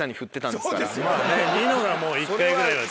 ニノがもう１回ぐらいは。